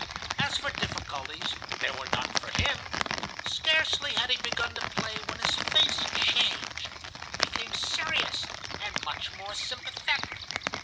As for difficulties, there were none for him. Scarcely had he begun to play, when his face changed. He became serious, and much more sympathetic.